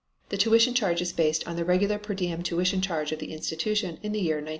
The tuition charge is based on the regular per diem tuition charge of the institution in the year 1917 18.